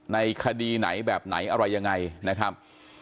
ในคดีไหนแบบไหนอะไรยังไงนะครับ